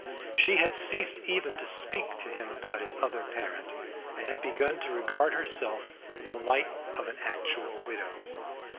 She had ceased even to speak to him about his other parent, and had begun to regard herself in the light of an actual widow.